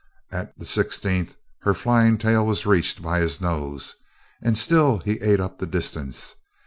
At the sixteenth her flying tail was reached by his nose And still he ate up the distance.